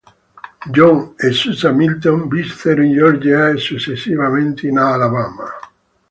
John e Susan Milton vissero in Georgia e successivamente in Alabama.